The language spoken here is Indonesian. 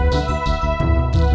masih di pasar